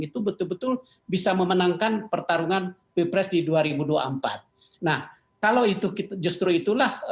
itu betul betul bisa memenangkan pertarungan pilpres di dua ribu dua puluh empat nah kalau itu justru itulah